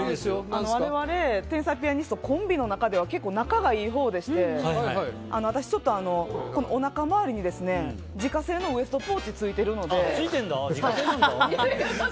我々、天才ピアニストコンビの中では結構、仲がいいほうでして私はちょっとおなか周りに自家製のウエストポーチがついているので。